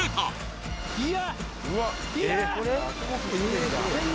いや！